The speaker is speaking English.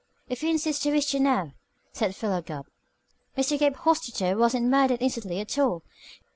"If you insist to wish to know," said Philo Gubb, "Mr. Gabe Hostetter wasn't murdered instantly at all.